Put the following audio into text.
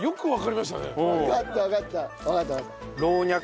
わかったわかった。